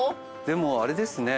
でもあれですね。